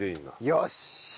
よし！